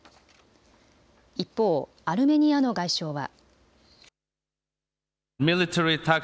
一方、アルメニアの外相は。